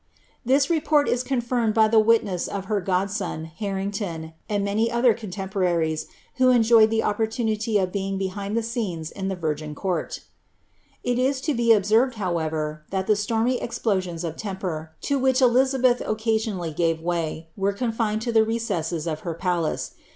This report is confirmed by the witness of her godson, Harrington, and many other contempora lies, who enjoyed the opportunity of being behind the scenes in the virgin court Jt is to be observed, however, that the stormy explosions of temper, to which queen Elizabeth occasionally gave way, were confined to the recesses of her palace.